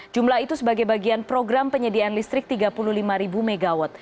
jumlah itu sebagai bagian program penyediaan listrik tiga puluh lima mw